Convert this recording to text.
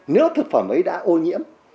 nếu thực phẩm ấy đã ô nhiễm